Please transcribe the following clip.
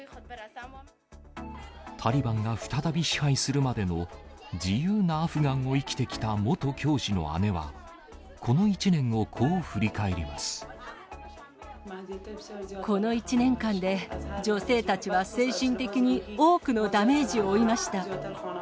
タリバンが再び支配するまでの自由なアフガンを生きてきた元教師の姉は、この１年をこう振りこの１年間で、女性たちは精神的に多くのダメージを負いました。